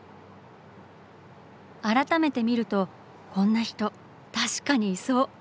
改めて見るとこんな人確かにいそう。